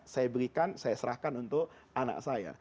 saya berikan saya serahkan untuk anak saya